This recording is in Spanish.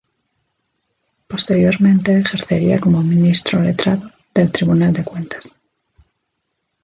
Posteriormente ejercería como ministro-letrado del Tribunal de Cuentas.